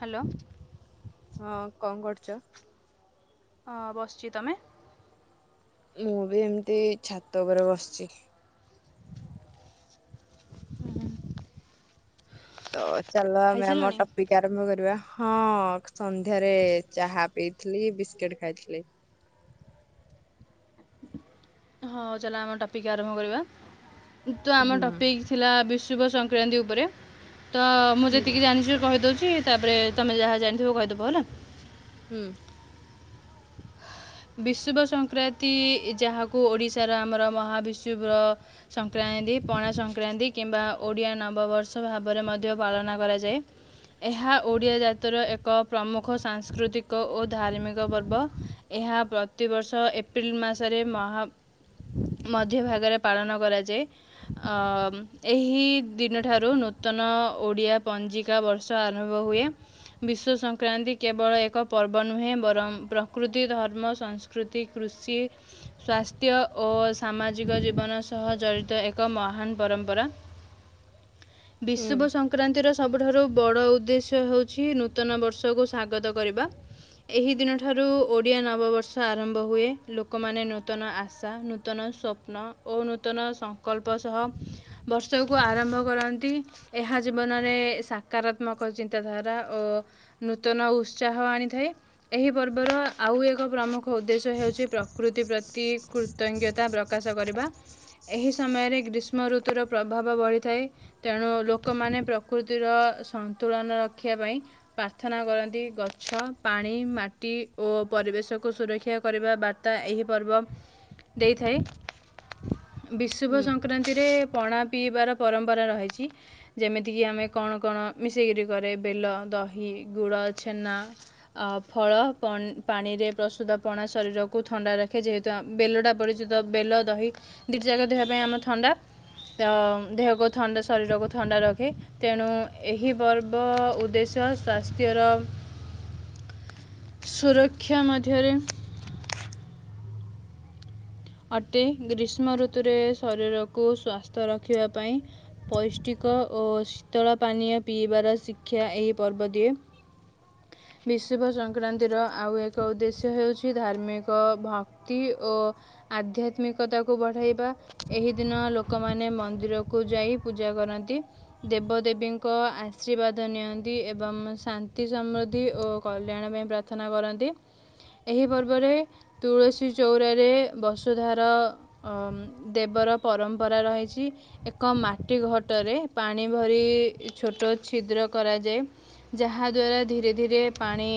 Hello ହଁ କଣ କରୁଛ ହଁ ବସିଛି ତମେ। ମୁଁ ବି ଏମିତି ଛାତ ଉପରେ ବସିଛି। ତ ଚାଲ ଆମେ ଆମ ଖାଇସାରିଲଣି ଟପିକ। ଆରମ୍ଭ କରିବା ହଁ ସନ୍ଧ୍ୟାରେ ଚାହା ପିଇଥିଲି ବିସ୍କୁିଟ ଖାଇଥିଲି। ହଁ ଚାଲ ଆମ ଟପିକ ଆରମ୍ଭ କରିବା ତୁ ଆମ ହୁଁ। ଟପିକ। ଥିଲା ବିଶୁବ ସଂକ୍ରାନ୍ତି ଉପରେ ତ ମୁଁ ହୁଁ ଯେତିକି ଜାଣିଛି କହିଦେଉଛି। ତାପରେ ତମେ ଯାହା ଜାଣିଥିବ କହିଦବ ହେଲା। ହୁଁ। ବିଶୁ ସଂକ୍ରାନ୍ତି ଯାହାକୁ ଓଡ଼ିଶାର ଆମର ମହାବିଶୁର- ସଂକ୍ରାନ୍ତି ପଣା ସଂକ୍ରାନ୍ତି କିମ୍ବା ଓଡ଼ିଆ ନବବର୍ଷ ଭାବରେ ମଧ୍ୟ ପାଳନ କରାଯାଏ। ଏହା ଓଡ଼ିଆ ଜତିର ଏକ ପ୍ରମୁଖ ସାଂସ୍କୃତିକ ଓ ଧାର୍ମିକ ପର୍ବ। ଏହା ପ୍ରତିବର୍ଷ ଏପ୍ରିଲ ମାସରେ ମହା ମଧ୍ୟ ଭାଗରେ ପାଳନ କରାଯାଏ। ଅ ଏହି ଦିନଠାରୁ ନୂତନ ଓଡ଼ିଆ ପଞ୍ଜିକା - ବର୍ଷ ଆରମ୍ଭ ହୁଏ। ବିଶ୍ୱ ସଂକ୍ରାନ୍ତି କେବଳ ଏକ ପର୍ବ ନୁହେଁ ବରଂ ପ୍ରକୃତି- ହ ଧର୍ମ ସଂସ୍କୃତି କୃଷି! ସ୍ବାସ୍ଥ୍ୟ ଓ ସାମାଜିକ ଜୀବନ ସହ ଜଡ଼ିତ ଏକ ମହାନ ପରମ୍ପରା। [unintelligible] [inaudible] ବିଶ୍ୱୁବ ସଂକ୍ରାନ୍ତି ସଂକ୍ରାନ୍ତିର ସବୁଠାରୁ ବଡ଼ ଉଦ୍ଦେଶ୍ୟ ହେଉଛି ନୂତନ ବର୍ଷକୁ ସଵାଗତ କରିବା। ଏହି ଦିନ ଠାରୁ ଓଡିଆ ନବବର୍ଷ ଆରମ୍ଭ ହୁଏ। ଲୋକମାନେ ନୂତନ ଆଶା ନୂତନ ସ୍ୱପ୍ନ ଓ ନୂତନ ସଂକଳ୍ପ ସହ ବର୍ଷକୁ ଆରମ୍ଭ କରନ୍ତି। ଏହା ଜୀବନରେ ସକାରାତ୍ମକ ଚିନ୍ତାଧାରା ଓ! ନୂତନ ଉତ୍ସାହ ଆଣିଥାଏ ଏହି ପର୍ବର ଆଉ ଏକ ପ୍ରମୁଖ ଉଦ୍ଦେଶ୍ୟ ହେଉଛି ପ୍ରକୃତି ପ୍ରତି କୃତଜ୍ଞତା ପ୍ରକାଶ କରିବା। ଏହି ସମୟରେ ଗ୍ରୀଷ୍ମ ଋତୁର ପ୍ରଭାବ ବଢ଼ିଥାଏ। ତେଣୁ ଲୋକମାନେ ପ୍ରକୃତିର ସନ୍ତୁଳନ ରଖିବା ପାଇଁ। ପ୍ରାର୍ଥନା କରନ୍ତି ଗଛ ପାଣି ମାଟି, ଓ ପରିବେଶକୁ ସୁରକ୍ଷା କରିବା ବାର୍ତ୍ତା ଏହି ପର୍ବ ଦେଇଥାଏ। ବିଶୁବ ହୁଁ ସଂକ୍ରାନ୍ତିରେ ପଣା ପିଇବାର ପରମ୍ପରା ରହିଛି। ଯେମିତି କିି ଆମେ କଣ କଣ ମିଶେଇକରି କରେ ବେଲ ଦହି ଗୁଡ ଛେନା। ଆ ଫଳ। ପ ପାଣିରେ ପ୍ରସ୍ତୁତ ପଣା ଶରୀରକୁ ଥଣ୍ଡା ରଖେ। ଯେହେତୁ ବେଲଟା ପରିଚିତ ବେଲ ଦହି। ଦୁଇଟି ଯାକା ଦେହ ପାଇଁ ଆମର ଥଣ୍ଡା ତ ଦେହକୁ ଥଣ୍ଡା ଶରୀରକୁ ଥଣ୍ଡା ରଖେ। ତେଣୁ ଏହି ପର୍ବ ଉଦ୍ଦେଶ୍ୟ ସ୍ୱାସ୍ଥ୍ୟର ସୁରକ୍ଷା ମଧ୍ୟରେ। ଅଟେ ଗ୍ରୀଷ୍ମ ଋତୁରେ ଶରୀରକୁ ସଵାସ୍ଥ୍ୟ ରଖିବା ପାଇଁ ପୈଷ୍ଟିକ ଓ ଶୀତଳ ପାନୀୟ ପିଇବାର ଶିକ୍ଷା ଏହି ପର୍ବ ଦିଏ। ବିଶୁଭ ସଂକ୍ରାନ୍ତିର ଆଉ ଏକ ଉଦ୍ଦେଶ୍ୟ ହେଉଛି ଧାର୍ମିକ। ଏକ ଭକ୍ତି ଓ ଆଧ୍ୟାତ୍ମିକତାକୁ ବଢ଼ାଇବା। ଏହି ଦିନ ଲୋକମାନେ ମନ୍ଦିରକୁ ଯାଇ ପୂଜା କରନ୍ତି। ଦେବ ଦେେବୀଙ୍କ ଆଶୀର୍ବାଦ ନିଅନ୍ତି। ଏବଂ ଶାନ୍ତି ସମୃଦ୍ଧି ଓ କଲ୍ୟାଣ ପାଇଁ ପ୍ରା ପ୍ରଥନା କର ଏହି ପର୍ବରେ ତୁଳସୀ ଚଉଁରାରେ ବସ ସୁଧାର ଦେବର ପରମ୍ପରା ରହିଛି। ଏକ ମାଟି ଘଟରେ ପାଣି ଭରି ଛୋଟ ଛିଦ୍ର କରାଯାଏ। ଯାହାଦ୍ୱାରା ଧୀରେ ଧୀରେ ପାଣି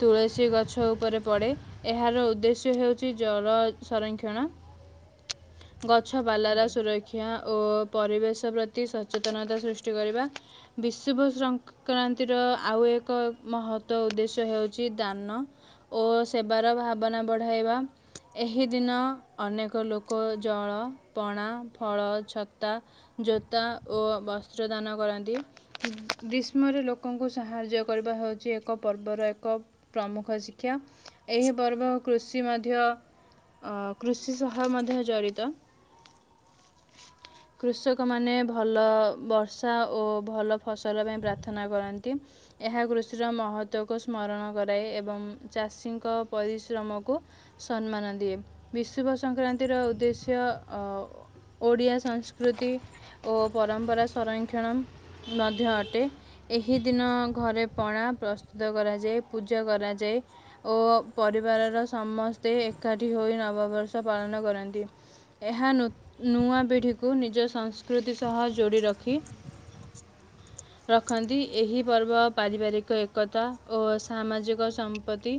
ତୁଳସୀ ଗଛ ଉପରେ ପଡେ ଏହାର ଉଦ୍ଦେଶ୍ୟ ହେଉଛି ଜଳ ସଂରକ୍ଷଣ। ଗଛ ବାଲାର ସୁରକ୍ଷ ଶିକ୍ଷା ଓ ପରିବେଶ ପ୍ରତି ସଚେତନତା ସୃଷ୍ଟି କରିବା। ବିଶୁଭ ଶଙ୍କ କ୍ରାନ୍ତିର ଆଉ ଏକ ମହତ୍ବ ଉଦ୍ଦେଶ୍ୟ ହେଉଛି ଦାନ। ଓ ସେବାର ଭାବନା ବଢ଼ାଇବା ଏହି ଦିନ ଅନେକ ଲୋକ ଜଳ, ପଣା, ଫଳ, ଛତା। ଜୋତା ଓ ବସ୍ତ୍ର ଦାନ କରନ୍ତି। ଗ୍ରୀଷ୍ମରେ ଲୋକଙ୍କୁ ସାହାଯ୍ୟ କରିବା ହଉଛି ଏକ ପର୍ବର ଏକ ପ୍ରମୁଖ ଶିକ୍ଷା ଏହି ପର୍ବ କୃଷି ମଧ୍ୟ ଅ କୃଷି ସହ ମଧ୍ୟ ଜଡ଼ିତ। [inaudible] କୃଷକମାନେ ଭଲ ବର୍ଷା ଓ ଭଲ ଫସଲ ପାଇଁ ପ୍ରାର୍ଥନା କରନ୍ତି। ଏହା କୃଷିର ମହତ୍ଵକୁ ସ୍ମରଣ କରାଏ ଏବଂ ଚାଷୀଙ୍କ ପରିଶ୍ରମକୁ ସମ୍ମାନ ଦିଏ ବିଶୁବ ସଂକ୍ରାନ୍ତିର ଉଦ୍ଦେଶ୍ୟ ଅ ଓଡ଼ିଆ ସଂସ୍କୃତି ଓ ପରମ୍ପରା ସଂରକ୍ଷଣ ମଧ୍ୟ ଅଟେ। ଏହି ଦିନ ଘରେ ପଣା ପ୍ରସ୍ତୁତ କରା ଯେ ପୂଜା କରାଯାଏ ଓ ପରିବାରର ସମସ୍ତେ ଏକାଠି ହୋଇ ନ ନବ ବର୍ଷ ପାଳନ କରନ୍ତି। ଏହା ନୂ ନୁଆ ପିଢ଼ିକୁ ନିଜ ସଂସ୍କୃତି ସହ ଯୋଡ଼ି ରଖି [inaudible] ରଖନ୍ତି ଏହି ପର୍ବ ପାରିବାରିକ ଏକତା ଓ ସାମାଜିକ ସମ୍ପତ୍ତି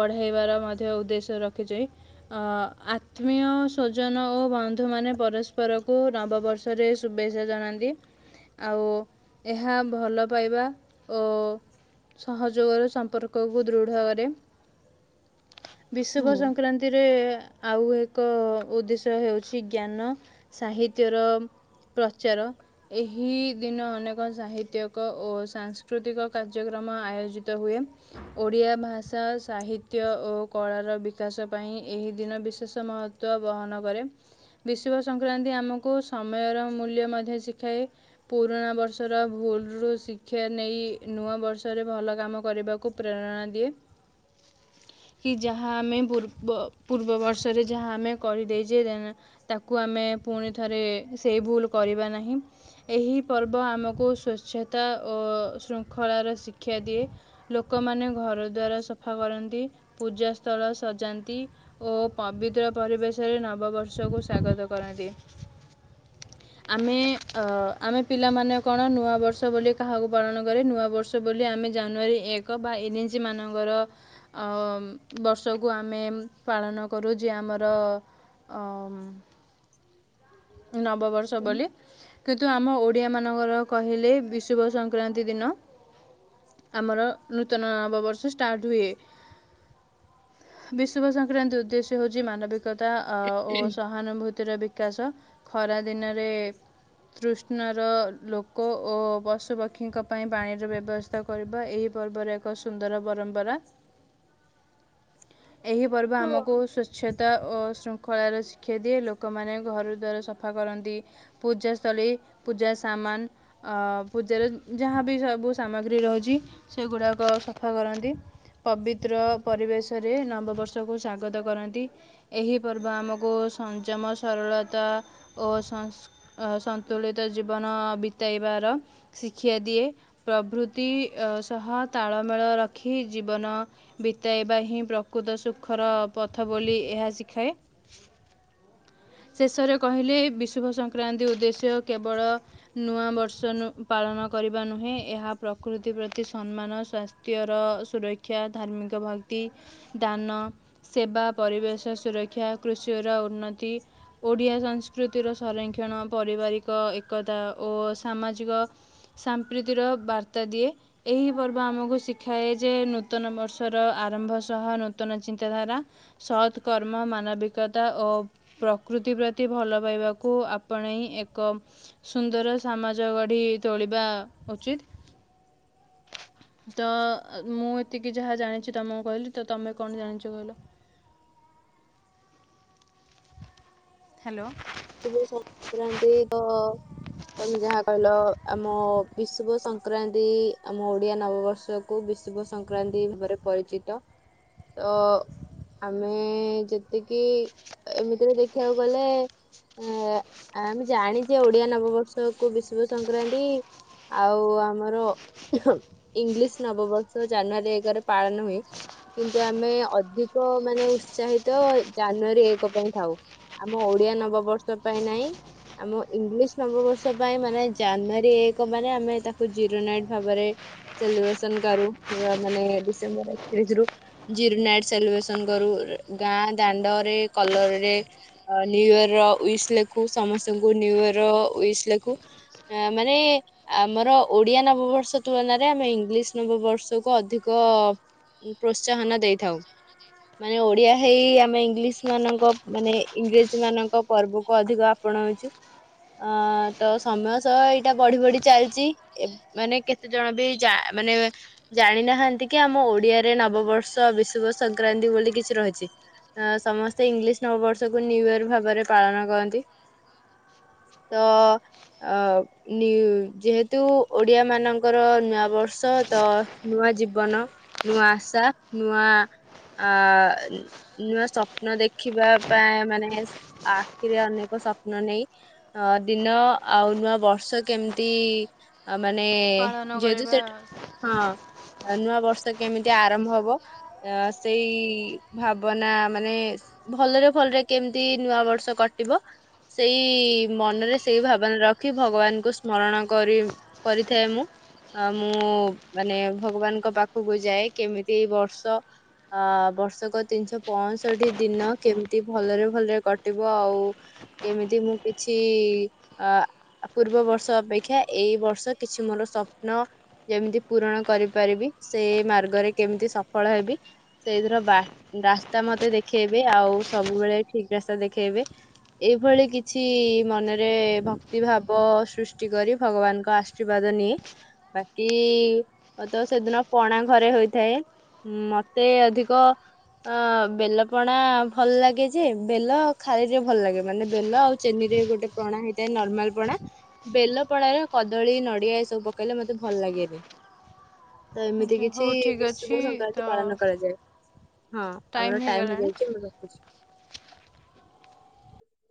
ବଢ଼େଇବାର ମଧ୍ୟ ଉଦ୍ଦେଶ୍ୟ ରଖିଚଇ। ଅ ଆତ୍ମୀୟ ସ୍ୱଜନ ଓ ବନ୍ଧୁ ମାନେ ପରସ୍ପରକୁ ନବବର୍ ରେ ଶୁଭେଚ୍ଛା ଜଣାନ୍ତି। ଆଉ ଏହା ଭଲ ପାଇବା ଓ ସହଯୋଗର ସମ୍ପର୍କକୁ ଦୃଢ କରେ। [inaudible] ବିଶୁଭ ସଂକ୍ରାନ୍ତି। ରେ ଆଉ ଏକ ଉଦ୍ଦେଶ୍ୟ ହେଉଛି ଜ୍ଞାନ ସାହିତ୍ୟର ପ୍ରଚାର। ଏହି ଦିନ ଅନେକ ସାହିତ୍ୟକ ଓ ସାଂସ୍କୃତିକ କାର୍ଯ୍ୟକ୍ରମ ଆୟୋଜିତ ହୁଏ। ଓଡ଼ିଆ ଭାଷା ସାହିତ୍ୟ ଓ କଳାର ବିକାଶ ପାଇଁ ଏହି ଦିନ ବିଶେଷ ମହତ୍ଵ ବହନ କରେ। ବିଷୁବସଂକ୍ରାନ୍ତି ଆମକୁ ସମୟର ମୂଲ୍ୟ ମଧ୍ୟ ଶିଖାଏ। ପୁରୁଣା ବର୍ଷର ଭୁଲରୁ ଶିକ୍ଷା ନେଇ ନୂଆ ବର୍ଷରେ ଭଲ କାମ କରିବାକୁ ପ୍ରେରଣା ଦିଏ। [inaudible] କି ଯାହା ଆମେ ପୂର୍ବ ପୂର୍ବ ବର୍ଷରେ ଯାହା ଆମେ କରିଦେଇଛେ ଦେ ତାକୁ ଆମେ ପୁଣିଥରେ ସେଇ ଭୁଲ କରିବା ନାହିଁ। ଏହି ପର୍ବ ଆମକୁ ସ୍ୱଚ୍ଛତା ଓ ଶୃଙ୍ଖଳାର ଶିକ୍ଷା ଦିଏ। ଲୋକମାନେ ଘର ଦ୍ୱାର ସଫା କରନ୍ତି ପୂଜା ସ୍ଥଳ ସଜାନ ତି ଓ ପବିତ୍ର ପରିବେଶରେ ନବବର୍ଷକୁ ସ୍ୱାଗତ କରନ୍ତି। [inaudible] ଆମେ ଅ ଆମେ ପିଲାମାନେ କଣ ନୂଆବର୍ଷ ବୋଲି କାହାକୁ ପାଳନ କରେ ନୂଆବର୍ଷ ବୋଲି ଆମେ ଜାନୁଆରୀ ଏକ ବା ଏନ୍ ଏଜି ମାନଙ୍କର ଆ ବର୍ଷକୁ ଆମେ ପାଳନ କରୁ ଯିଏ ଆମର ଅମ୍ ନବବର୍ଷ ବୋଲି କିନ୍ତୁ ଆମ ଓଡିଆ ମାନଙ୍କର କହିଲେ ବିଶୁବ ସଂକ୍ରାନ୍ତି ଦିନ ଆମର ନୂତନ ନବବର୍ଷ ଷ୍ଟାର୍ଟ ହୁଏ। ଶୁଭ ସଂକ୍ରାନ୍ତି ଉଦ୍ଦେଶ୍ୟ ହଉଛି ମାନବିକତା ଓ ସ ସହାନୁଭୂତିର ବିକାଶ ଖରା ଦିନରେ ତୃଷ୍ଣର ଲୋକ ଓ ପଶୁପକ୍ଷୀଙ୍କ ପାଇଁ ପାଣିର ବ୍ୟବସ୍ଥା ତ୍ତା କରିବା ଏହି ପର୍ବରେ ଏକ ସୁନ୍ଦର ପରମ୍ପରା। ଏହି ପର୍ବ ହଁ। ଆମକୁ ସୁସ ସ୍ୱଚ୍ଛତା ଓ ଶୃଙ୍ଖଳାର ଶିକ୍ଷା ଦିଏ ଲୋକମାନେ ଘରୁ ଦ୍ୱାର ସଫା କରନ୍ତି। ପୂଜା ସ୍ଥଳୀ ପୂଜା ସାମାନ ଆ ପୂଜାରେ ଯାହା ବିି ସବୁ ସାମଗ୍ରୀ ରହୁଛି ସେଗୁଡ଼ାକ ସଫା କରନ୍ତି। ପବିତ୍ର ପରିବେଶରେ ନବବର୍ଷକୁ ସ୍ଵାଗତ କରନ୍ତି। ଏହି ପର୍ବ ଆମକୁ ସଂଯମ ସରଳତା ଓ ସଂ ଅ ସନ୍ତୁଳିତ ଜୀବନ ବିତାଇବାର ଶିକ୍ଷା ଦିଏ। ପ୍ରଭୃତି ସହ ତାଳମେଳ ରଖି ଜୀବନ ବିତାଇବା ହିଁ ପ୍ରକୃତ ସୁଖର ପଥ ବୋଲି ଏହା ଶିଖାଏ। ଶେଷରେ କହିଲେ ବିଶୁଭ ସଂକ୍ରାନ୍ତି ଉଦ୍ଦେଶ୍ୟ କେବଳ ନୂଆ ବର୍ଷ ପାଳନ କରିବା ନୁହେଁ ଏହା ପ୍ରକୃତି ପ୍ରତି ସମ୍ମାନ ସ୍ୱାସ୍ଥ୍ୟ ତିଅର ସୁରକ୍ଷା, ଧାର୍ମିକ, ଭକ୍ତି, ଦାନ ସେବା, ପରିବେଶ ସୁରକ୍ଷା, କୃଷିର ଉନ୍ନତି। ଓଡ଼ିଆ ସଂସ୍କୃତିର ସଂରକ୍ଷଣ ପାରିବାରିକ ଏକତା ଓ ସାମାଜିକ ସାମ୍ପ୍ରୀତିର ବାର୍ତ୍ତା ଦିଏ। ଏହି ପର୍ବ ଆମକୁ ଶିଖାଏ ଯେ ନୂତନ ବର୍ଷର ଆରମ୍ଭ। ସହ ନୂତନ ଚିନ୍ତାଧାରା ସତ୍କର୍ମ ମାନବିକତା ଓ ପ୍ରକୃତି ପ୍ରତି ଭଲ ପାଇବାକୁ ଆପଣେଇ ଏକ ସୁନ୍ଦର ସାମାଜ ଗଢି ତୋଳିବା ଉଚିତ। ତ ମୁଁ ଏତିକି ଯାହା ଜାଣିଛି ତମକୁ କହିଲି। ତ ତମେ କଣ ଜାଣିଛ କହିଲ? ହ୍ୟାଲୋ। ସୁବ ସଂକ୍ରାନ୍ତି ତ ତମେ ଯାହା କହିଲ ଆମ ବିଶ୍ୱ ସଂକ୍ରାନ୍ତି ଆମ ଓଡିଆ ନବବର୍ଷ। କୁ ବିଶୁବ ସଂକ୍ରାନ୍ତି ଭାବରେ ପରିଚିତ। ତ ଆମେ ଯେତିକି ଏମିତିରେ ଦେଖିବାକୁ ଗଲେ ଏ ଆମେ ଜାଣିଛେ ଓଡିଆ ନବବର୍ଷକୁ ବିଶୁବ ସଂକ୍ରାନ୍ତି ଆଉ ଆମର ଉହୁଁ ଇଂଲିଶ ନବବର୍ଷ ଜାନୁଆରୀ ଏଗାରେ ପାଳନ ହୁଏ। କିନ୍ତୁ ଆମେ ଅଧିକ ମାନେ ଉତ୍ସାହିତ ଜାନୁଆରୀ ଏକ ପାଇଁ ଥାଉ। ଆମ ଓଡିଆ ନବବର୍ଷ ପାଇଁ ନାହିଁ। ଆମ ଇଂଲିଶ ନବବର୍ଷ ପାଇଁ ମାନେ ଜାନୁଆରୀ ଏକ ମାନେ ଆମେ ତାକୁ ଜିରୋ ନାଇଟ୍ ଭାବରେ ସେଲିବ୍ରେସନ କାରୁ ମାନେ ଡିସେମ୍ବର ଏକତିରିଶ ରୁ ଜିରୋ ନାଇଟ ସେଲିବ୍ରେସନ କରୁ ଗାଁ ଦାଣ୍ଡରେ କଲରରେ ନିୁ ଇୟର ଉଇସ୍ ଲେଖୁ ସମସ୍ତଙ୍କୁ ନିୁ ଇୟର ୱସ୍ ଲେଖୁ। ଅ ମାନେ ଆମର ଓଡିଆ ନବବର୍ଷ ତୁଳନାରେ ଆମେ ଇଂଲିଶ ନବବର୍ଷକୁ ଅଧିକ ପ୍ରୋତ୍ସାହନ ଦେଇଥାଉ। ମାନେ ଓଡିଆ ହେଇ ଆମେ ଇଂଲିଶ ମାନଙ୍କ ମାନେ ଇଂରେଜୀ ମାନଙ୍କ ପର୍ବକୁ ଅଧିକ ଆପଣାଉଛି। ଅଁ ତ ସମୟ ସହ ଏଇଟା ବଢି ବଢି ଚାଲିଛି ଏ ମାନେ କେତେ ଜଣ ବି ଯା ମାନେ ଜାଣି ନାହାନ୍ତି କି ଆମ ଓଡିଆରେ ନବବର୍ଷ ବିଶୁବ ସଂକ୍ରାନ୍ତି ବୋଲି କିଛି ରହିଛି। ଅ ସମସ୍ତେ ଇଂଲିଶ ନବବର୍ଷକୁ ନ୍ୟୁଇୟର ଭାବରେ ପାଳନ କରନ୍ତି। ତ ଅ ନିୟୁ ଯେହେତୁ ଓଡିଆ ମାନଙ୍କର ନୂଆ ବର୍ଷ ତ ନୂଆ ଜୀବନ। ନୂଆ ଆଶା ନୂଆ ଆ ନୂଆ ସ୍ୱପ୍ନ ଦେଖିବା ପା ମାନେ ଆଖିରେ ଅନେକ ସ୍ୱପ୍ନ ନେଇ ଅ ଦିନ ଆଉ ନୂଆ ବର୍ଷ କେମିତି ଆ ମାନେ ପାଳନ ଯେହେତୁ କରିବା ସେ ହଁ ନୂଆ ବର୍ଷ କେମିତି ଆରମ୍ଭ ହବ ଅ ସେଇ ଭାବନା ମାନେ ଭଲରେ ଭଲରେ କେମତି ନୂଆ ବର୍ଷ କଟିବ ସେଇ ମନରେ ସେଇ ଭାବନା ରଖି ଭଗବାନଙ୍କୁ ସ୍ମରଣ କରିବ କରିଥାଏ ମୁଁ। ହଁ ମୁଁ ମାନେ ଭଗବାନଙ୍କ ପାଖକୁ ଯାଏ କେମିତି ଏଇ ବର୍ଷ ଅ ବର୍ଷକ ତିନିଶହ ପଅଷଠି ଦିନ କେମିତି ଭଲରେ ଭଲରେ କଟିବ ଆଉ କେମିତି ମୁଁ କିଛି ଆ ଆଉ ପୂର୍ବ ବର୍ଷ ଅପେକ୍ଷା ଏଇ ବର୍ଷ କିଛି ମୋର ସ୍ୱପ୍ନ ଯେମିତି ପୂରଣ କରିପାରିବି ସେ ମାର୍ଗରେ କେମିତି ସଫଳ ହେବି ସେଇଥିର ବା ରାସ୍ତା ମତେ ଦେଖେଇବେ ଆଉ ସବୁବେଳେ ଠିକ୍ ରାସ୍ତା ଦେଖେଇବେ। ଏଇଭଳି କିଛି ମନରେ ଭକ୍ତି ଭାବ ସୃଷ୍ଟି କରି ଭଗବାନଙ୍କ ଆ ଆଶୀର୍ବାଦ ନିଏ ବାକି ତ ସେଦିନ ପଣା ଘରେ ହୋଇଥାଏ। ମତେ ଅଧିକ ଅ ବେଲପଣା ଭଲ ଲାଗେ ଯେ ବେଲ ଖାଇରେ ଭଲ ଲାଗେ ମାନେ ବେଲ ଆଉ ଚେନିରେ ଗୋଟେ ପଣା ହେଇଥାଏ ନର୍ମାଲ ପଣା। ବେଲ ପଣାରେ କଦଳୀ ନଡିଆ ଏସବୁ ପକେଇଲେ ମତେ ଭଲ ଲାଗେନି। ତ ଏମିତି କିଛି ହଉ ଠିକ୍ ଅଛି ବିଶୁବ ସଂକ୍ରାନ୍ତି ତ ପାଳନ କରାଯାଏ। ହଁ ଆମର ଟାଇମ୍ ଟାଇମ ହୋଇଗଲାଣି ହେଇଯାଇଛି ମୁଁ ରଖୁଛି।